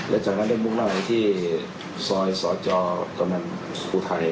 และจากนั้นได้วงร่านหลายที่ซอยศจ๊อปปภิษภิกษ์ไทย